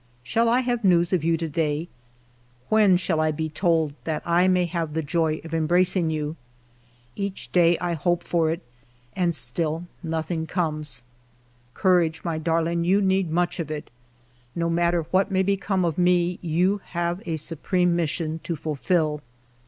" Shall I have news of you to day ? When shall I be told that I may have the joy of em bracing you ? Each day I hope for it, and still nothing comes. " Courage, my darling ; you need much of it. No matter what may become of me, you have a supreme mission to fulfil.